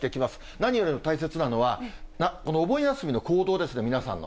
何よりも大切なのは、このお盆休みの行動ですね、皆さんの。